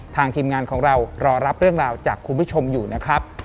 ทีมงานของเรารอรับเรื่องราวจากคุณผู้ชมอยู่นะครับ